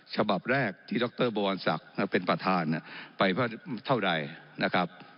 ฉบับแรกที่ดรบวรศักดิ์เป็นประธานไปเท่าใดนะครับ